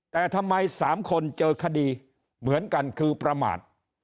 แต่ทำไม๓คนเจอคดีเหมือนกันคือประมาท